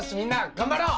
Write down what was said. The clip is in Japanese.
頑張ろう！